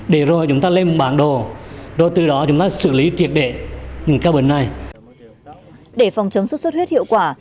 để phòng chống suốt huyết hiệu quả